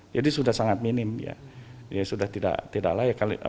jadi sudah sangat minim ya sudah tidak layak